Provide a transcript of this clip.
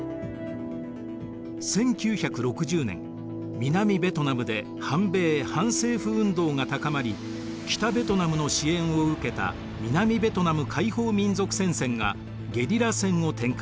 １９６０年南ベトナムで反米反政府運動が高まり北ベトナムの支援を受けた南ベトナム解放民族戦線がゲリラ戦を展開